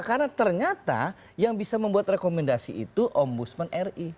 karena ternyata yang bisa membuat rekomendasi itu om busman ri